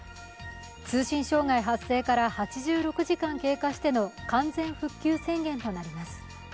通信障害発生から８６時間経過しての完全復旧宣言となります。